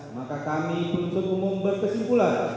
maka kami penuntut umum berkesimpulan